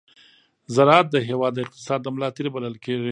ز راعت د هېواد د اقتصاد د ملا تېر بلل کېږي.